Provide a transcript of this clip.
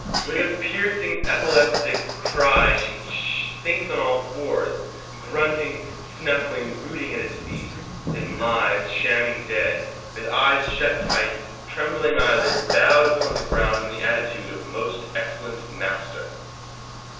_(With a piercing epileptic cry she sinks on all fours, grunting, snuffling, rooting at his feet: then lies, shamming dead, with eyes shut tight, trembling eyelids, bowed upon the ground in the attitude of most excellent master.)